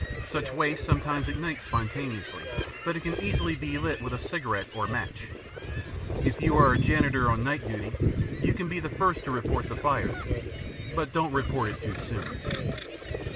Such waste sometimes ignites spontaneously, but it can easily be lit with a cigarette or match. If you are a janitor on night duty, you can be the first to report the fire, but don't report it too soon.